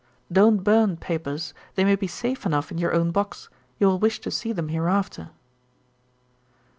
'Don't burn papers; they may be safe enough in your own box, you will wish to see them hereafter.'